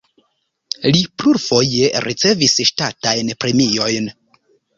Li plurfoje ricevis ŝtatajn premiojn.